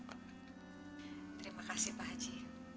terima kasih pak haji